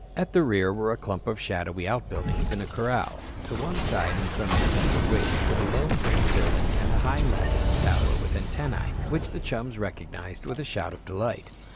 At the rear were a clump of shadowy outbuildings and a corral. To one side and some distance away stood a low frame building and a high, latticed tower with antennae, which the chums recognized with a shout of delight.